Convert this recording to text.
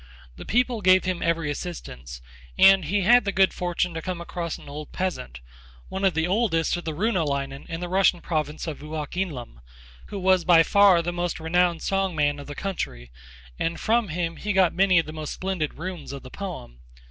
The people gave him every assistance, and he had the good fortune to come across an old peasant, one of the oldest of the runolainen in the Russian province of Wuokinlem, who was by far the most renowned song man of the country, and from him he got many of the most splendid runes of the poem.